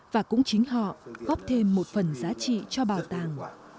và cũng chính họ góp thêm một phần giá trị cho bảo tàng